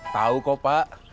tau kok pak